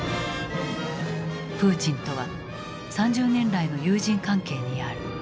プーチンとは３０年来の友人関係にある。